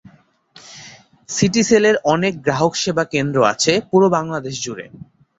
সিটিসেল এর অনেক গ্রাহক সেবা কেন্দ্র আছে পুরো বাংলাদেশ জুড়ে।